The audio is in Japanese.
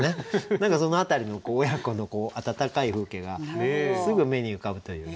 何かその辺りの親子の温かい風景がすぐ目に浮かぶというね